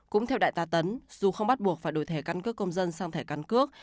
cũng theo đại tá tấn dù không bắt buộc phải đổi thẻ căn cước công dân sang thẻ căn cước